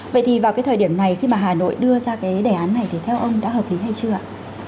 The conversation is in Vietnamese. vậy thì vào cái thời điểm này khi mà hà nội đưa ra cái đề án này thì theo ông đã hợp lý hay chưa ạ